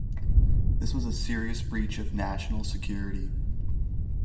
This was a serious breach of national security.